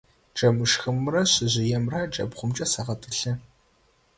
Джэмышхымрэ шъэжъыемрэ джабгъумкӏэ сэгъэтӏылъы.